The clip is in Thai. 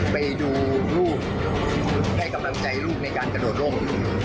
ไปดูลูกให้กำลังใจลูกในการกระโดดลง